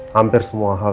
hampir semua hal